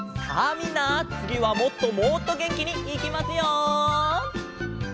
みんなつぎはもっともっとげんきにいきますよ！